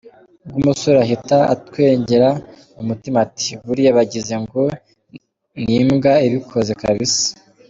Ubwo umusore ahita atwengera mu mutima ati: "buriya bagize ngo ni imbwa ibikoze kabisa?".